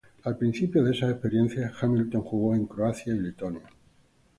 Al principio de esas experiencias Hamilton jugó en Croacia y Letonia.